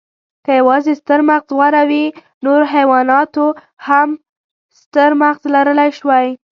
که یواځې ستر مغز غوره وی، نورو حیواناتو هم ستر مغز لرلی شوی.